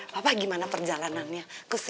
papa gimana perjalanannya